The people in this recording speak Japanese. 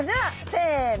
せの！